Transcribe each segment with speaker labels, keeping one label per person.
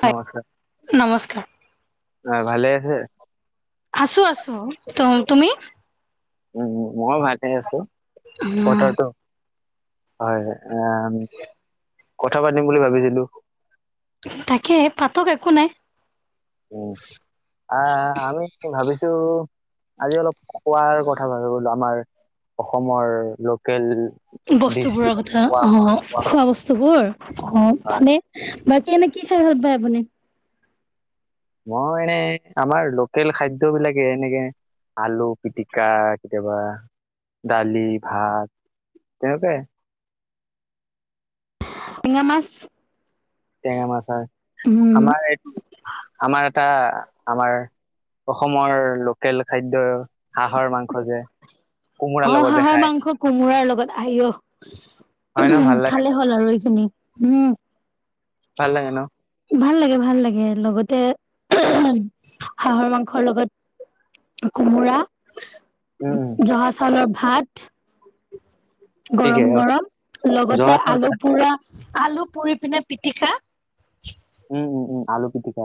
Speaker 1: হয়,
Speaker 2: নমস্কাৰ,
Speaker 1: নমস্কাৰ।
Speaker 2: আহ ভালে আছে?
Speaker 1: আছো, আছো। তু, তুমি?
Speaker 2: উম, মই ভালে আছোঁ।
Speaker 1: উম।
Speaker 2: হয়, আহ কথা পাতিম বুলি ভাবিছিলোঁ।
Speaker 1: তাকে পাতক একো নাই।
Speaker 2: অঁ। আহ আমি ভাবিছো আজি অলপ খোৱাৰ কথা ভাবি গলো আমাৰ। অসমৰ লোকেল-
Speaker 1: বস্তু
Speaker 2: ডিচ
Speaker 1: বোৰৰ
Speaker 2: বিলাক
Speaker 1: কথা,
Speaker 2: খোৱা
Speaker 1: অঁ খোৱা বস্তুবোৰ, অঁ
Speaker 2: হয়।
Speaker 1: ভালে। বাকী এনে কি খাই ভাল পায় আপুনি?
Speaker 2: মই এনে আমাৰ লোকেল খাদ্য বিলাকে এনেকে- আলু পিটিকা, কেতিয়াবা ডালি ভাত। তেনেকুৱাই।
Speaker 1: টেঙা মাছ।
Speaker 2: টেঙা মাছ হয়
Speaker 1: উম
Speaker 2: আমাৰ এইটো আমাৰ এটা আমাৰ। অসমৰ লোকেল খাদ্য হাঁহৰ মাংস যে। কোমোৰাৰ
Speaker 1: অ
Speaker 2: লগত যে খায়
Speaker 1: হাঁহৰ মাংস কোমোৰাৰ লগত আউ অ
Speaker 2: হয় ন
Speaker 1: উহু
Speaker 2: ভাল লাগে
Speaker 1: খালে। হ'ল আৰু এইখিনি উম।
Speaker 2: ভাল লাগে ন?
Speaker 1: ভাল লাগে ভাল লাগে লগতে হাঁহৰ মাংসৰ লগত। কোমোৰা
Speaker 2: উম উম
Speaker 1: জহা। অলপ ভাত
Speaker 2: ঠিকে
Speaker 1: গৰম
Speaker 2: অ
Speaker 1: গৰম
Speaker 2: জহা
Speaker 1: লগতে
Speaker 2: চাউল
Speaker 1: আলু
Speaker 2: ভাত
Speaker 1: পোৰা। আলু পুৰি পিনে পিটিকা।
Speaker 2: উম উম উম আলু পিঠিকা।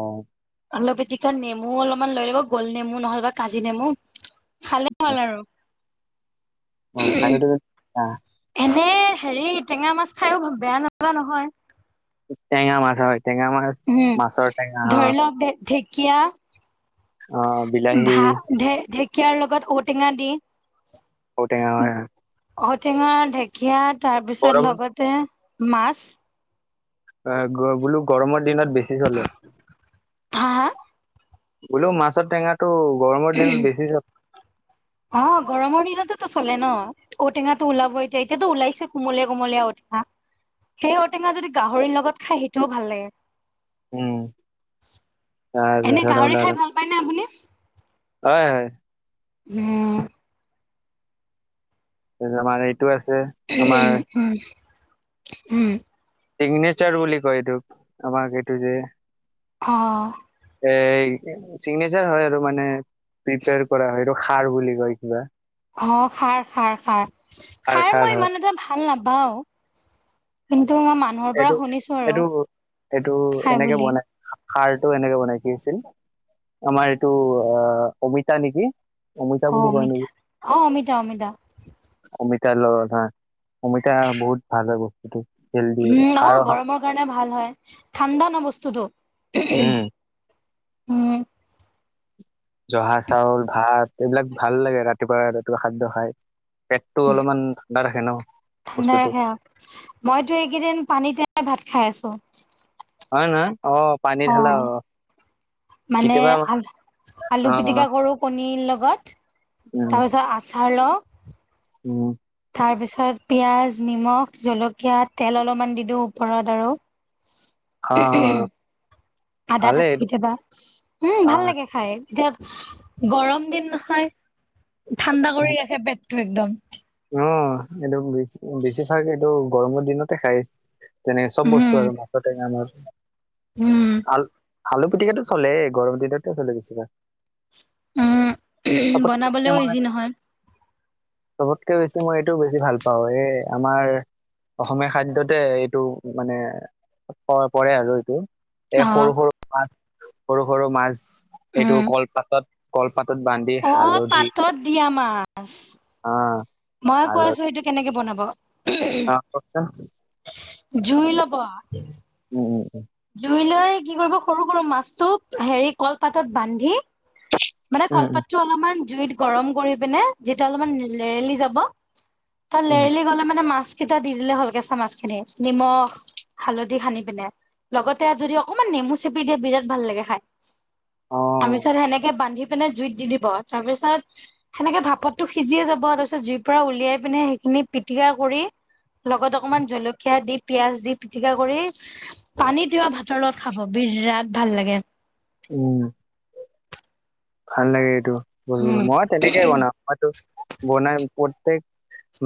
Speaker 1: আলু পিটিকাত নেমু অলপমান লৈ ল'ব গোল নেমু নহ'লেব কাজি নেমু। খালে ভাল আৰু।
Speaker 2: অ আলু তুমি খোৱা।
Speaker 1: এনে হেৰি টেঙা মাছ খায়ো বেয়া নলগা নহয়।
Speaker 2: টেঙা মাছ হয় টেঙা মাছ।
Speaker 1: উম
Speaker 2: মাছৰ টেঙা অ
Speaker 1: ধৰি লওক ঢেকীয়া।
Speaker 2: অ বিলাহী
Speaker 1: ঢেকীয়াৰ লগত ঔটেঙা দি।
Speaker 2: ঔটেঙা হয় হয়।
Speaker 1: ঔটেঙা ঢেকীয়া তাৰপিছত
Speaker 2: গৰমত
Speaker 1: লগতে মাছ।
Speaker 2: অ বোলো গৰমৰ দিনত বেছি চলে।
Speaker 1: হা হা।
Speaker 2: বোলও মাছৰ টেঙাটো গৰমৰ দিনত বেছি চলে।
Speaker 1: অ গৰমৰ দিনতেতো চলে ন। ঔটেঙাটো ওলাব এতিয়া এতিয়া টো ওলাইছে কোমলীয়া কমলীয়া ঔটেঙা। সেই ঔটেঙা যদি গাহৰিৰ লগত খাই সেইটোও ভাল লাগে।
Speaker 2: উম
Speaker 1: এনে
Speaker 2: তাৰপিছত
Speaker 1: গাহৰি
Speaker 2: ওলাল
Speaker 1: খাই ভাল পায় নে আপুনি।
Speaker 2: হয় হয়।
Speaker 1: উম।
Speaker 2: আমাৰ এইটো আছে। আমাৰ
Speaker 1: উম উম।
Speaker 2: চিগনেচাৰ বুলি কয় এইটোক আমাক এইটো যে।
Speaker 1: অঁ।
Speaker 2: এ চিগনেচাৰ হয় আৰু মানে প্ৰিপয়াৰ কৰা হয় খাৰ বুলি কয় কিবা।
Speaker 1: অ খাৰ খাৰ খাৰ খাৰ মই ইমান এটা ভাল। ভাল নাপাও কিন্তু মই মা।
Speaker 2: এইটো এইটো এইটো
Speaker 1: খাই
Speaker 2: এনেকে
Speaker 1: বুলি
Speaker 2: বনাই। সাৰটো এনেকে বনাই কি আছিল আমাৰ এইটো আহ অমিতা নেকি? অমিতা
Speaker 1: অ
Speaker 2: বুলি কয়
Speaker 1: অমিতা
Speaker 2: নেকি
Speaker 1: অ অমিতা অমিতা।
Speaker 2: অমিতা লগত অমিতা বহুত ভাল হয় বস্তুটো।
Speaker 1: উম অ
Speaker 2: খাৰ
Speaker 1: গৰমৰ কাৰণে ভাল হয় ঠাণ্ডা ন বস্তুটো উহু উহু।
Speaker 2: উম
Speaker 1: উম।
Speaker 2: জহা চাউল ভাত এইবিলাক ভাল লাগে ৰাতিপুৱা ৰাতিপুৱা খাদ্য খাই। পেটটো অলপমান ঠাণ্ডা ৰাখে ন।
Speaker 1: [unintelligible]
Speaker 2: বস্তুটো
Speaker 1: মইতো এইকেইদিন পানীতোই ভাত খাই আছো।
Speaker 2: অ', নহ অ', পানী ঢালা অ'।
Speaker 1: মানে,
Speaker 2: কেতিয়াবা অ
Speaker 1: আলু পিটিকা কৰো কণীৰ লগত।
Speaker 2: উম
Speaker 1: তাৰ পিছত আচাৰ লওঁ
Speaker 2: উম।
Speaker 1: তাৰ পিছত পিয়াজ, নিমখ, জলকীয়া তেল অলপমান দি দিওঁ ওপৰত আৰু
Speaker 2: [inaudible]
Speaker 1: আদা
Speaker 2: ভালেই
Speaker 1: থাকে
Speaker 2: এইটো
Speaker 1: কেতিয়াবা উম, ভাল লাগে খাই। এতিয়া গৰম দিন নহয় ঠাণ্ডা
Speaker 2: অ
Speaker 1: কৰি ৰাখে পেটটো একদম।
Speaker 2: অ', এইটো বেছ বেছিভাগ এইটো গৰমৰ দিনতে খাই। যেনে চব
Speaker 1: উম
Speaker 2: বস্তু আৰু মাছৰ টেঙা মাছ।
Speaker 1: উম।
Speaker 2: আল-আলু পিটিকটো চলে গৰম দিনতে চলে বেছিভাগ।
Speaker 1: উম,
Speaker 2: চবতকে বেছি
Speaker 1: বনাবলৈও
Speaker 2: মই
Speaker 1: ইজি নহয়।
Speaker 2: চবতকে বেছি মই এইটো বেছি ভাল পাওঁ, এই আমাৰ অসমীয়া খাদ্যতে এইটো মানে প-পৰে আৰু এইটো। এ
Speaker 1: অ
Speaker 2: সৰু সৰু ভাত, সৰু সৰু মাছ এইটো
Speaker 1: উম
Speaker 2: কলপাতত কলপাতত বান্ধি
Speaker 1: অ
Speaker 2: হালধি
Speaker 1: পাতত দিয়া মাছ
Speaker 2: আ
Speaker 1: মই কৈ আছো সেইটো কেনেকে বনাব
Speaker 2: আ, কওকচোন
Speaker 1: জুইলব
Speaker 2: উম উম উম।
Speaker 1: জুই লৈ কি কৰিব সৰু সৰু মাছটো হেৰি কলপাতত বান্ধি মানে
Speaker 2: উম উম উম
Speaker 1: কলপাতটো অলপমান জুইত গৰম কৰি পিনে যেতিয়া অলপমান লেৰেলি যাব তাত
Speaker 2: উম উম
Speaker 1: লেৰলি গ'লে মানে মাছ চিধা দি দিলে হল, কেচা মাছ খিনি নিমখ হালধি সানি পিনে। লগতে যদি অকমান নেমু চেপি দিয়ে বিৰাট ভাল লাগে খাই,
Speaker 2: অ
Speaker 1: তৰমিছত সেনেকে বান্ধিব পিনে জুইত দি দিব, তাৰ পিছত সেনেকে ভাপতটো সিজিয়ে যাব তাৰ পিছত জুইৰ পৰা উলিয়াই পিনে সেইখিনি পিটিকা কৰি লগত অকমান জলকীয়া দি পিয়াজ দি পিটিকা কৰি পানী তিৱা ভাতৰ লগত খাব বিৰাট ভাল লাগে।
Speaker 2: উম। ভাল লাগে এইটো,
Speaker 1: উম
Speaker 2: মই তেনেকে বনাওঁ মই টো বনাই প্ৰত্যেক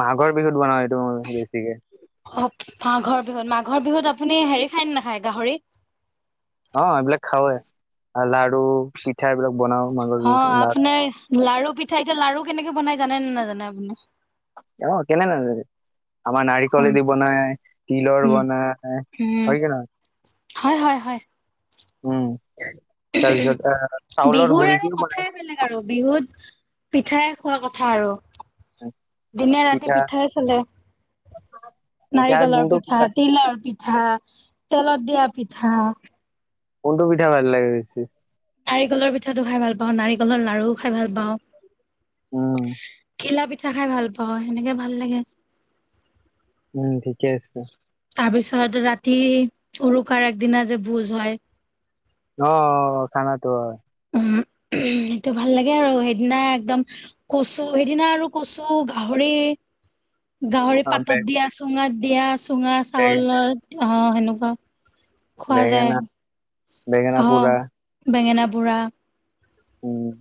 Speaker 2: মাঘৰ বিহুত বনাও এইটো মই বেছিকে।
Speaker 1: অ', মাঘৰ বিহুত, মাঘৰ বিহুত আপুনি হেৰি খায় নাখায় গাহৰি?
Speaker 2: অ', এইবিলাক খাওৱে লাড়ু পিঠা এইবিলাক বনাও মাঘৰ
Speaker 1: অ
Speaker 2: বিহুত লা
Speaker 1: আপোনাৰ লাৰু পিঠা, এতিয়া লাৰু কেনেকে বনাই জানে নে নাজানে আপুনি?
Speaker 2: জানো, কেলে নাজানিম। আমাৰ নাৰিকলেদি বনাই তিলৰ
Speaker 1: উম
Speaker 2: বনাই,
Speaker 1: উম
Speaker 2: হয় কি নহয়?
Speaker 1: হয় হয় হয়।
Speaker 2: উম, তাৰপিছত আহ চাউলৰ
Speaker 1: বিহুৰ
Speaker 2: গুৰি
Speaker 1: আৰু
Speaker 2: দিও বনাই।
Speaker 1: কথাই বেলেগ আৰু বিহুত পিঠাই খোৱা কথা আৰু।
Speaker 2: বনাই
Speaker 1: দিনে ৰাতি
Speaker 2: পিঠা
Speaker 1: পিঠাই চলে।
Speaker 2: পিঠা
Speaker 1: নাৰিকলৰ
Speaker 2: কোনটো
Speaker 1: পিঠা, তিলৰ পিঠা, তেলত দিয়া পিঠা।
Speaker 2: কোনটো পিঠা ভাল লাগে বেছি?
Speaker 1: নাৰিকলৰ পিঠাটো খাই ভাল পাওঁ। নাৰিকলৰ লাৰু খাই ভাল পাওঁ।
Speaker 2: উম।
Speaker 1: ঘিলা পিঠা খাই ভাল পাওঁ, সেনেকে ভাল লাগে।
Speaker 2: উম ঠিকে আছে।
Speaker 1: তাৰপিছত ৰাতি, উৰুকাৰ আগদিনা যে ভোজ হয়।
Speaker 2: অঁ অঁ অঁ খানাতো হয়।
Speaker 1: উম হুম, সেইটো ভাল লাগে আৰু সেইদিনা একদম কচু সেইদিনা আৰু কচু গাহৰি গাহৰি
Speaker 2: অ বে
Speaker 1: পাতত দিয়া, চুঙাত দিয়া, চুঙা
Speaker 2: বে
Speaker 1: চাউলত অঁ সেনেকুৱা খোৱা
Speaker 2: বেঙেনা
Speaker 1: যায়
Speaker 2: বেঙেনা পোৰা
Speaker 1: অঁহ বেঙেনা পোৰা।
Speaker 2: উম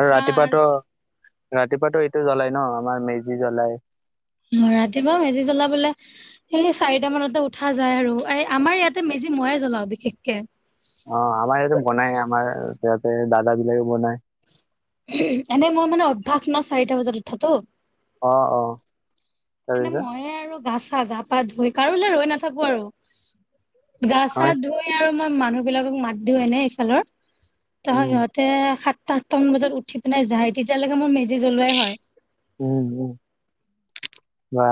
Speaker 2: আৰু ৰাতিপুৱা
Speaker 1: মাছ
Speaker 2: ত' ৰাতিপুৱা ত' এইটো জ্বলাই ন' আমাৰ মেজি জ্বলাই
Speaker 1: ম ৰাতিপুৱা মেজি জ্বলাবলে সেই চাৰিটা মানতে উঠা যায় আৰু এই আমাৰ ইয়াতে মেজি ময়ে জ্বলাও বিশেষকে।
Speaker 2: অঁ আমাৰ ইয়াতে বনায়, আমাৰ সিহতে দাদা বিলাকে বনায়।
Speaker 1: [unintelligible] এনেই মই মানে অভ্যাস ন' চাৰিটা বজাত উঠাতটো।
Speaker 2: অ' অ'।
Speaker 1: এনে
Speaker 2: তাৰপিছত
Speaker 1: মইয়ে আৰু গা চা, গা পা ধুই কাৰোলে ৰৈ নাথাকো আৰু গা চা
Speaker 2: হয়
Speaker 1: ধুই আৰু মই মানুহ বিলাকক মাত দিওঁ এনে এইফালৰ তহ
Speaker 2: উম
Speaker 1: সিহঁত তে সাতটা আঠটা মান বজাত উঠি পিনে যাই, তেতিয়ালেকে মোৰ মেজি জ্বলোৱাই হয়।
Speaker 2: উম উম বা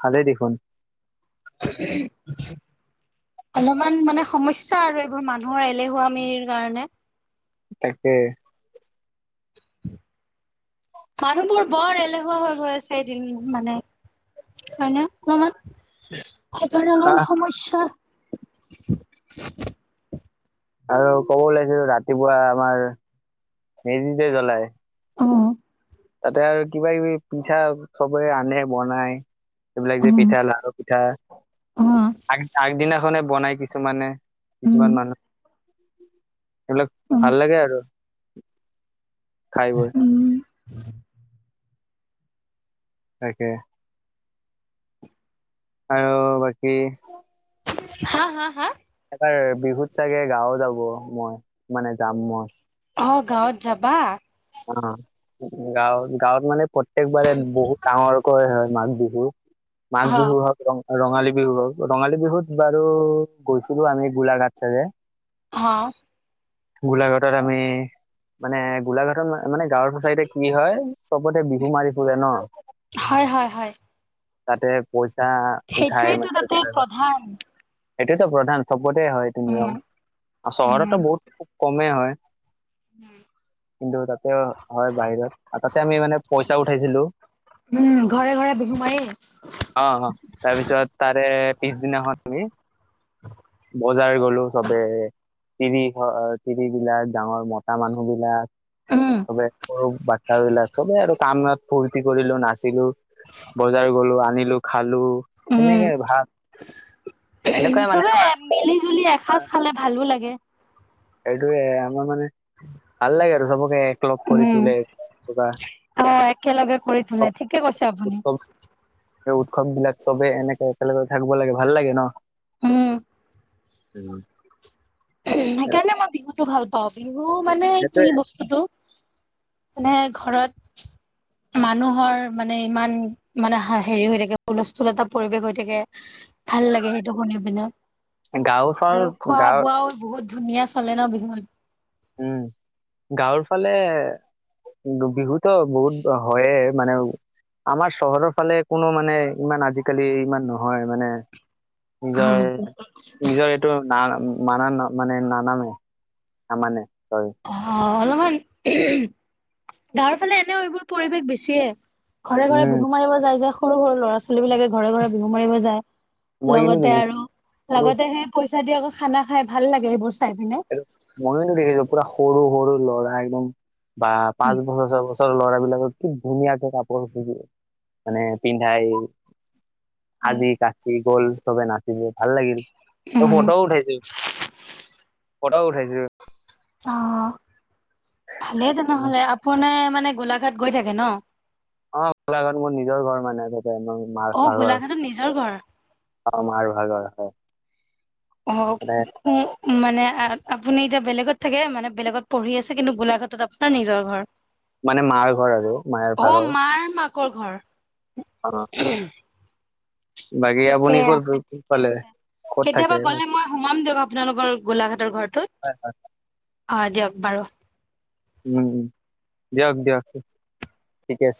Speaker 2: ভালেই দেখোন।
Speaker 1: [unintelligible] অলমান মানে সমস্যা আৰু এইবোৰ মানুহৰ এলেহুৱমিৰ কাৰণে।
Speaker 2: তাকে [unintelligible]
Speaker 1: মানুহবোৰ বৰ এলেহুৱা হৈ গৈ আছে এদিন মানে হয় ন' [unintelligible] ৰ'
Speaker 2: হাহ
Speaker 1: সমস্যা
Speaker 2: আৰু ক'ব ওলাছিলো ৰাতিপুৱা আমাৰ মেজি যে জ্বলাই
Speaker 1: অঁ
Speaker 2: তাতে আৰু কিবা কিবি পিঠা চবৰে আনে বনাই এইবিলাক যে
Speaker 1: উম,
Speaker 2: পিঠা, লাৰু, পিঠা
Speaker 1: অ',
Speaker 2: আগ আগদিনাখনে বনাই কিছুমানে।
Speaker 1: উম,
Speaker 2: কিছুমান মানুহ সেবিলাক ভাল
Speaker 1: অ',
Speaker 2: লাগে আৰু খাই বৈ
Speaker 1: উম।
Speaker 2: তাকে আৰু বাকী
Speaker 1: হাঁ হাঁ হাঁ
Speaker 2: এবাৰ বিহুত চাগে গাওঁ যাব মই মানে যাম মই।
Speaker 1: অঁ গাঁৱত যাবা?
Speaker 2: অঁ গাওঁ গাঁৱত মানে প্ৰত্যেক বাৰে বহু ডাঙৰকৈ হয় মাঘ বিহু, মাঘ
Speaker 1: অ',
Speaker 2: বিহু হওঁ ৰঙ ৰঙালী বিহু ৰঙালী বিহুত বাৰু গৈছিলো আমি গোলাঘাট চাগে।
Speaker 1: হাঁ
Speaker 2: গোলাঘাটত আমি মানে গোলাঘাটত মান মানে গাঁৱটো চাইদে কি হয়, চ'বতে বিহু মাৰি ফুৰে ন'
Speaker 1: হয়, হয়, হয়।
Speaker 2: তাতে পইচা উঠাই
Speaker 1: সেইটোৱেতো তাতে
Speaker 2: [unintelligible]
Speaker 1: প্ৰধান।
Speaker 2: এইটোৱেতো প্ৰধান। চবতে হয় এইটো
Speaker 1: উম,
Speaker 2: নিওম আৰু
Speaker 1: উম,
Speaker 2: চহৰতো বহুত খুব কমেই হয়।
Speaker 1: উম।
Speaker 2: কিন্তু তাতে হয় বাহিৰত আৰু তাতে আমি মানে পইচা উঠাইছিলো।
Speaker 1: উ, ঘৰে ঘৰে বিহু মাৰি
Speaker 2: অ-অহ, তাৰ পিছত তাৰে পিছদিনাখন আমি বজাৰ গলো সবে। তিৰি তিৰিবলাক ডাঙৰ মতা মানুহ বিলাক
Speaker 1: উম,
Speaker 2: সবে সৰু বাচ্ছাবলাক চবেই আৰু কাম ন ফূৰ্তি কৰিলো, নাচিলো, বজাৰ গলো আনিলো খালো।
Speaker 1: উম,
Speaker 2: সেনেকে ভাল এনেকুৱাই মানে
Speaker 1: চবে মিলি জুলি এসাঁজ খালে ভালো লাগে।
Speaker 2: সেইটোৱে, আমাৰ মানে ভাল লাগে। চবকে একলগ কৰি
Speaker 1: উম,
Speaker 2: তোলে
Speaker 1: অ', একেলগে কৰি
Speaker 2: চব
Speaker 1: তোলে, ঠিকে কৈছে আপুনি।
Speaker 2: উৎসৱ এই উৎসৱ বিলাক চবেই এনেকে একেলগে থাকিব লাগে ভাল লাগে ন।
Speaker 1: উম।
Speaker 2: [unintelligible]
Speaker 1: সেইকাৰণে মই বিহুতো ভাল পাও, বিহু মানে
Speaker 2: সেইটোয়ে
Speaker 1: কি বস্তুটো মানে ঘৰত মানুহৰ মানে ইমান মানে হেৰি হৈ থাকে হুলস্থুল এটা পৰিৱেশ হৈ থাকে। ভাল লাগে সেইটো শুনি পিনে।
Speaker 2: গাঁও চাও
Speaker 1: আৰু খোৱা
Speaker 2: গাঁৱৰ
Speaker 1: বোৱাও বহুত ধুনীয়া চলে ন বিহুত।
Speaker 2: উম, গাঁৱৰ ফালে বিহুতো বহুত হয়ে মানে আমাৰ চহৰৰ ফালে কোনো মানে ইমান আজিকালি ইমান নহয় মানে নিজৰ-নিজৰ এইটো না মানা না মানে নানামে। নামানে চৰি।
Speaker 1: অ', অলপমান গাৱৰ ফালে এনেও এইবোৰ পৰিৱেশ বেছিয়ে। ঘৰে ঘৰে
Speaker 2: উম
Speaker 1: বিহু মাৰিব যায় যে সৰু সৰু ল'ৰা ছোৱালী বিলাকে ঘৰে ঘৰে বিহু মাৰিব যায়।
Speaker 2: মই কিন্তু
Speaker 1: লগতে
Speaker 2: দেখিছো
Speaker 1: আৰু লগতে সে পইচা দি আকৌ খানা খাই ভাল লাগে সেইবোৰ চাই পিনে।
Speaker 2: মইওটো দেখিছো পুৰা সৰু সৰু ল'ৰা একদম বা পাঁচ বছৰ, ছ বছৰ [unintelligible] ল'ৰাবিলাকৰ খুব ধুনীয়াকে কাপোৰ মানে পিন্ধাই
Speaker 1: হয়
Speaker 2: আজি কাচি গোল চবে নাচিছে ভাল লাগিল ত',
Speaker 1: উম
Speaker 2: ফটোও উঠাইছে। ফটো উঠাইছিল।
Speaker 1: অ', ভালেই তেনেহ'লে, আপোনাৰ মানে গোলাঘাট গৈ থাকে ন?
Speaker 2: অ', গোলাঘত মোৰ নিজৰ ঘৰ মানে আগতে মোৰ মাৰ।
Speaker 1: অ
Speaker 2: [unintelligible]
Speaker 1: গোলাঘাটত নিজৰ ঘৰ?
Speaker 2: অ', মাৰ ভাল আৰু হয়।
Speaker 1: [unintelligible] উ মানে আপুনি এতিয়া বেলেগত থাকে, মানে বেলেগত পঢ়ি আছে কিন্তু গোলাঘাটত আপোনাৰ নিজৰ ঘৰ।
Speaker 2: মানে মাৰ ঘৰ আৰু মাৰ ভাগৰ
Speaker 1: অ', মাৰ মাকৰ ঘৰ।
Speaker 2: অ বাকী
Speaker 1: ঠিকে
Speaker 2: আপুনি ক'ত
Speaker 1: আছে ঠিকে
Speaker 2: পালে
Speaker 1: আছে,
Speaker 2: ক'ত
Speaker 1: কেতিয়াবা
Speaker 2: থাকে
Speaker 1: গ'লে মই সোমাম দিয়ক আপোনালোকৰ গোলাঘাটৰ ঘৰটোত।
Speaker 2: হয় হয় হয়।
Speaker 1: হয় দিয়ক বাৰু।
Speaker 2: উম দিয়ক দিয়ক ঠিকে আছে।